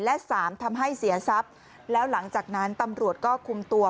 และสามทำให้เสียทรัพย์แล้วหลังจากนั้นตำรวจก็คุมตัว